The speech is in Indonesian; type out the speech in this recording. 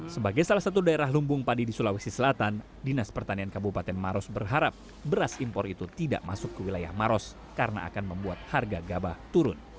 sebagai salah satu daerah lumbung padi di sulawesi selatan dinas pertanian kabupaten maros berharap beras impor itu tidak masuk ke wilayah maros karena akan membuat harga gabah turun